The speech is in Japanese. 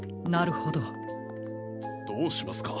どうしますか？